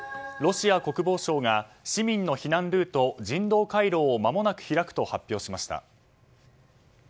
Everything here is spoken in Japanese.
ロシア国防省が市民の避難ルート人道回廊をまもなく開くと発表しました。